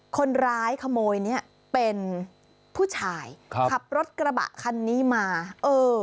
คนร้ายขโมยเนี้ยเป็นผู้ชายครับขับรถกระบะคันนี้มาเออ